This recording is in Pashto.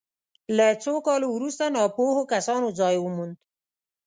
له څو کالو وروسته ناپوهو کسانو ځای وموند.